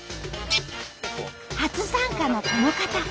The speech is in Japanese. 初参加のこの方。